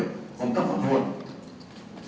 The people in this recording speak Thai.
ท่านก็ต้องเสียด้วย